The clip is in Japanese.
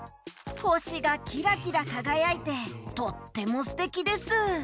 ほしがキラキラかがやいてとってもすてきです！